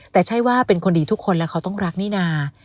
แต่ใช่ว่าเป็นคนดีทุกคนแล้วเขาต้องรักนี่นา